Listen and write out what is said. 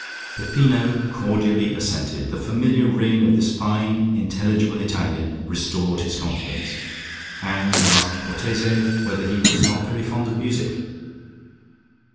_" Peppino cordially assented: the familiar ring of this fine intelligible Italian restored his confidence, and he asked Cortese whether he was not very fond of music....